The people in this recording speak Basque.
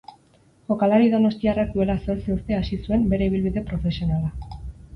Jokalari donostiarrak duela zortzi urte hasi zuen bere ibilbide profesionala.